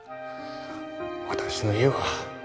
私の家は